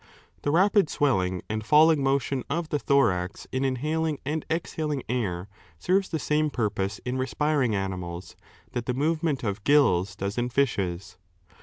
The rapid swelling and falling motion of the thorax in inhaling and exhaling air serves the same purpose in respiring animals that the movement of gills does in fishes.